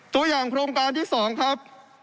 ตัวอย่างโครงการที่๒ครับ